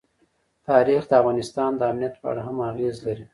تاریخ د افغانستان د امنیت په اړه هم اغېز لري.